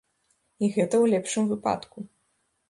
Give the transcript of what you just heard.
І гэта ў лепшым выпадку.